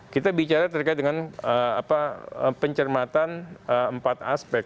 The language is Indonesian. kita bicara terkait dengan pencermatan empat aspek